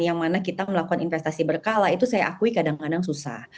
yang mana kita melakukan investasi berkala itu saya akui kadang kadang susah